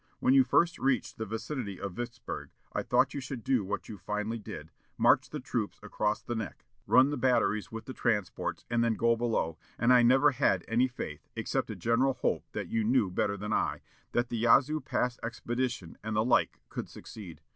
When you first reached the vicinity of Vicksburg, I thought you should do what you finally did, march the troops across the neck, run the batteries with the transports, and then go below; and I never had any faith, except a general hope that you knew better than I, that the Yazoo Pass expedition and the like could succeed.